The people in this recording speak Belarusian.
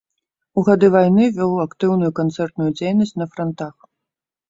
У гады вайны вёў актыўную канцэртную дзейнасць на франтах.